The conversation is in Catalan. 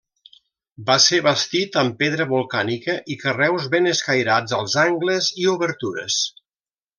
Va ser bastit amb pedra volcànica i carreus ben escairats als angles i obertures.